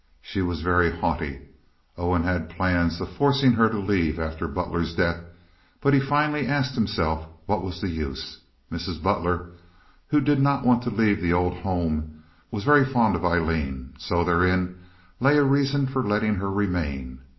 She was very haughty. Owen had plans of forcing her to leave after Butler's death, but he finally asked himself what was the use. Mrs. Butler, who did not want to leave the old home, was very fond of Aileen, so therein lay a reason for letting her remain.